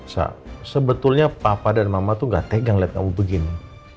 sa sebetulnya papa dan mama tuh gak tegang lihat kamu begini